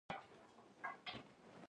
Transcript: دوه به یې په جنګ سره اچول.